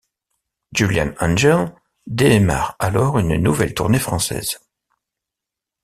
Jullian Angel démarre alors une nouvelle tournée française.